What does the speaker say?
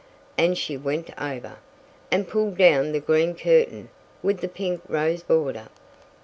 and she went over, and pulled down the green curtain with the pink rose border.